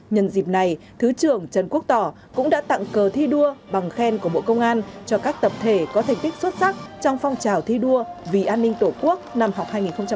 nhân dịp này thứ trưởng trần quốc tỏ cũng đã tặng cờ thi đua bằng khen của bộ công an cho các tập thể có thành tích xuất sắc trong phong trào thi đua vì an ninh tổ quốc năm học hai nghìn một mươi chín hai nghìn hai mươi ba